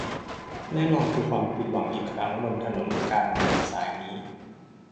แน่นอนคือความผิดหวังอีกครั้งบนถนนการเมืองสายนี้